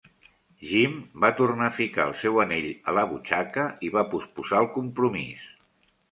Jim va tornar a ficar el seu anyell a la butxaca i va posposar el compromís.